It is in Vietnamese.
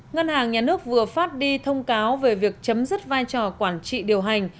ngân hàng nhà nước vừa phát đi thông cáo về việc chấm dứt vai trò quản trị điều hành